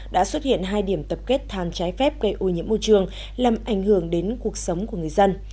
đã xuất hiện hai điểm tập kết than trái phép gây ô nhiễm môi trường làm ảnh hưởng đến cuộc sống của người dân